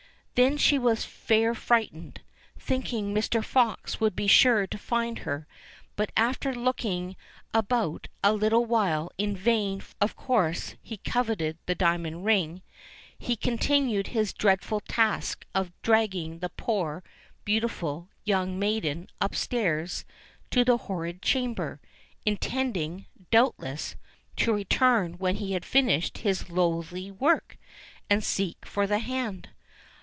Then she was fair frightened, thinking Mr. Fox would be sure to find her ; but after looking about a little while in vain (for, of course, he coveted the diamond ring), he continued his dreadful task of dragging the poor, beautiful, young maiden upstairs to the horrid chamber, intending, doubtless, to return when he had finished his loathly work, and seek for the hand.